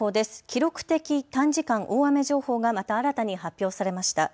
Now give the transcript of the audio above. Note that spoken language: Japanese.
記録的短時間大雨情報がまた新たに発表されました。